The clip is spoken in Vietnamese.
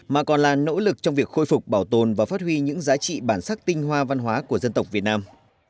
mà còn là nỗ lực trong việc khôi phục bảo tồn và phát huy những giá trị bản sắc tinh hoa văn hóa của dân tộc việt nam